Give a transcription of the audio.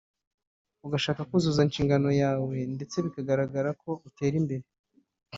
ugashaka kuzuza inshingano yawe ndetse bikagaragara ko utera imbere